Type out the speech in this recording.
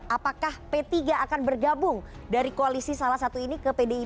apakah p tiga akan bergabung dari koalisi salah satu ini ke pdip